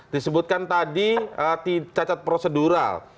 disebutkan tadi cacat prosedural